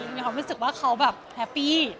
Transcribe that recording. มีความรู้สึกว่าเขาแบบแฮปปี้